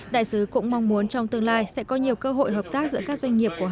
đại sứ cũng mong muốn trong tương lai sẽ có nhiều cơ hội hợp tác giữa các doanh nghiệp